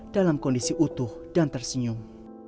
dalam kondisi utuh dan tersenyum